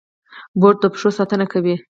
بوټ د پښو ساتنه کوي.